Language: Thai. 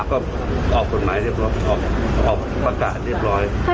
ก็ออกกฎหมายเรียบร้อยออกประกาศเรียบร้อย